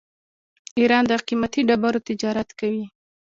ایران د قیمتي ډبرو تجارت کوي.